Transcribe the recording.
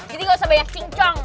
jadi gak usah banyak cincong